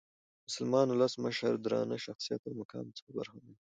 مسلمان اولس مشر د درانه شخصیت او مقام څخه برخمن يي.